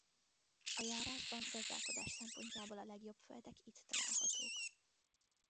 A járásban gazdálkodás szempontjából a legjobb földek itt találhatók.